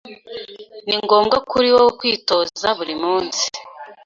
Ni ngombwa kuri wowe kwitoza buri munsi.